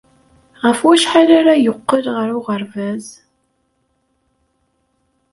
Ɣef wacḥal ara yeqqel ɣer uɣerbaz?